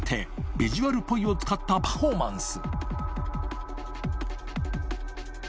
ビジュアルポイを使ったパフォーマンス）